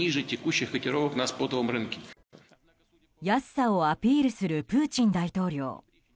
安さをアピールするプーチン大統領。